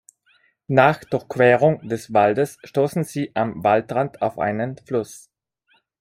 Nach Durchquerung des Waldes stoßen sie am Waldrand auf einen Fluss.